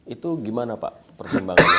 itu gimana pak perkembangannya